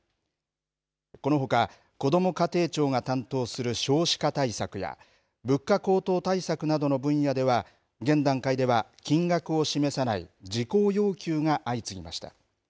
このほか、こども家庭庁が担当する少子化対策や、物価高騰対策などの分野では、現段階では金額を示さない事項要求が相次ぎました。